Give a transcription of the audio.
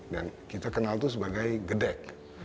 dan kita kenal itu sebagai gedek